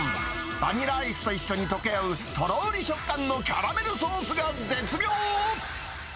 バニラアイスと一緒にとけ合うとろーり食感のキャラメル食感が絶妙。